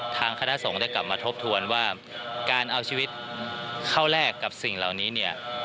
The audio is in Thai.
ทางคณะสงฆ์ได้กลับมาทบทวนว่าการเอาชีวิตเข้าแลกกับสิ่งเหล่านี้เนี่ย